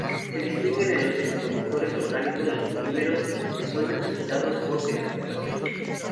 Se distinguen en los semiconductores orgánicos los polímeros, que son depositados por centrifugación.